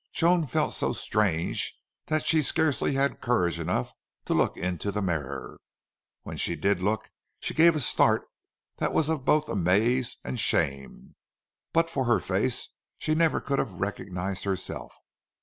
Joan felt so strange that she scarcely had courage enough to look into the mirror. When she did look she gave a start that was of both amaze and shame. But for her face she never could have recognized herself.